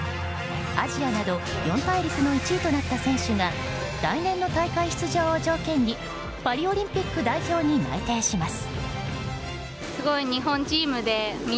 アジアなど４大陸の１位となった選手が来年の大会出場を条件にパリオリンピック代表に内定します。